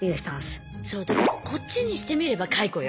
そうだからこっちにしてみれば解雇よ。